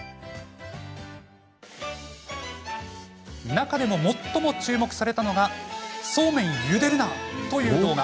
中でも最も注目されたのが「そうめんゆでるな！」という動画。